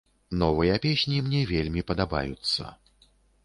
Новыя песні мне вельмі падабаюцца.